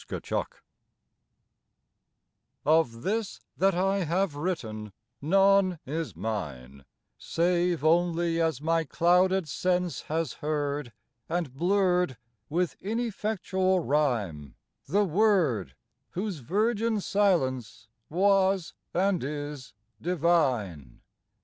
117 XXIV OF this that I have written none is mine, Save only as my clouded sense has heard And blurred with ineffectual rhyme the Word Whose virgin silence was and is divine.